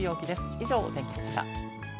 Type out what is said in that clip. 以上、お天気でした。